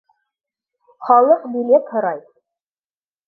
Халыҡ билет һорай!